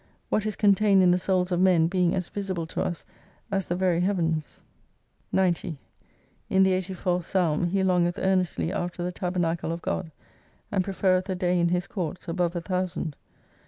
What is contained in the souls of men being as visible to us as the very heavens. 229 90 In the 84th psalm he longeth ^earnestly after the Tabernacle of God, and preferreth a day in His courts above a thousand.